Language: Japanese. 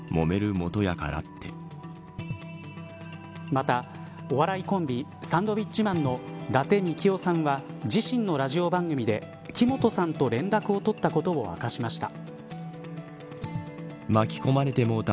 また、お笑いコンビサンドウィッチマンの伊達みきおさんは自身のラジオ番組で木本さんと連絡を取ったことを明かしました。